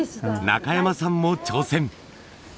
中山さんも挑戦！